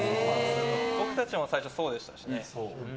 僕たちも最初、そうでしたしね。